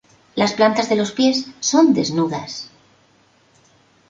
Las plantas de los pies son desnudas.